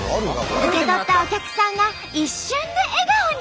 受け取ったお客さんが一瞬で笑顔に。